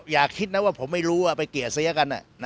อย่าคิดนะว่าผมไม่รู้ว่าไปเกลียดเสียกัน